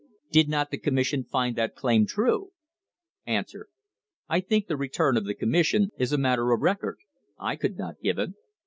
Did not the commission find that claim true ? A. I think the return of the commission is a matter of record; I could not give it.